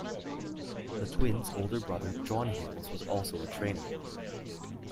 The twins' older brother John Hills was also a trainer.